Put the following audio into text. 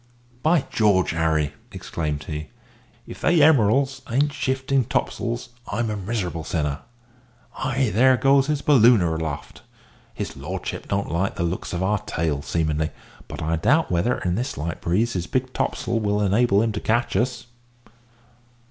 "By George, Harry," exclaimed he, "if they Emeralds bain't shifting topsails, I'm a miserable sinner! Ay, there goes his `ballooner' aloft. His lordship don't like the looks of our tail, seemin'ly; but I doubt whether, in this light breeze, his big topsail will enable him to catch us.